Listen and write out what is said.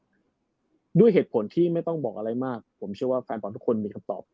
ด้วยเหตุผลที่ไม่ต้องบอกอะไรมากผมเชื่อว่าแฟนบอลทุกคนมีคำตอบ